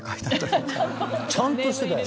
ちゃんとしてたよね。